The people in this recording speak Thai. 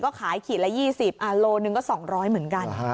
ก็ขายขีดละ๒๐โลหนึ่งก็๒๐๐เหมือนกัน